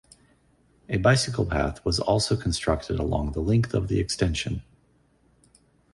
A bicycle path was also constructed along the length of the extension.